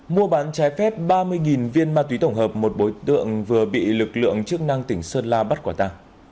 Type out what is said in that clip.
mua bán trái phép ba mươi viên ma túy tổng hợp một bối tượng vừa bị lực lượng chức năng tỉnh sơn la bắt quả ta